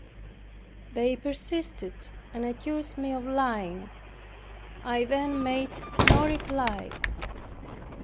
They persisted, and accused me of lying. I then made no reply.